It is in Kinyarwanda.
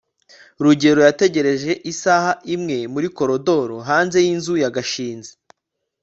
rugeyo yategereje isaha imwe muri koridoro hanze yinzu ya gashinzi